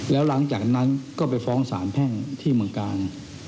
แล้วหลังจากนั้นก็ไปฟ้องสารแพ่งที่เมืองกาล